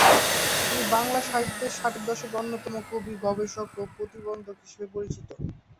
তিনি বাংলা সাহিত্যের ষাটের দশকের অন্যতম কবি, গবেষক ও প্রাবন্ধিক হিসেবে পরিচিত।